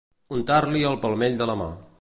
Untar-li el palmell de la mà.